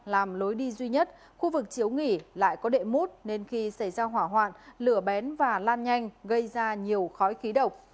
làm lối đi duy nhất khu vực chiếu nghỉ lại có đệm mút nên khi xảy ra hỏa hoạn lửa bén và lan nhanh gây ra nhiều khói khí độc